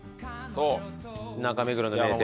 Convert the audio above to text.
中目黒の名店。